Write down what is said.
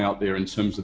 dalam hal hal keuntungan